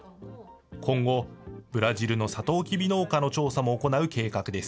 今後、ブラジルのサトウキビ農家の調査も行う計画です。